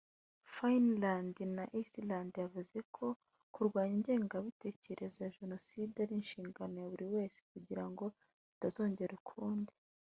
Finland na Iceland yavuze ko kurwanya ingengabitekerezo ya Jenoside ari inshingano ya buri wese kugira ngo itazongera ukundi